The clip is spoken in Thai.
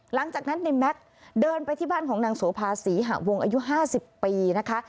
หลังจากนั้นในแม็กซ์เดินไปที่บ้านของนางโสภาศรีหะวงอายุ๕๐ปีนะคะ